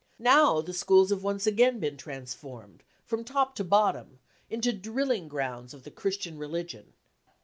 Now the schools have been once again transformed, from top to bottom, into drilling grounds of the Christian religion.